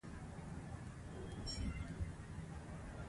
شفاف پالیسي د باور فضا جوړوي.